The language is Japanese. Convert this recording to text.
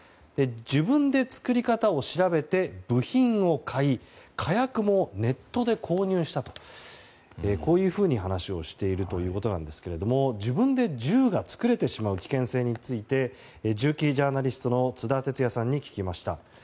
自分で作り方を調べて部品を買い火薬もネットで購入したと話しているということなんですが自分で銃が作れてしまう危険性について銃器ジャーナリストの津田哲也さんに聞きました。